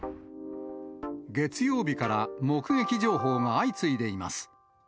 月曜日から目撃情報が相次いでいます。